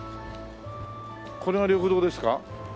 これが緑道ですか？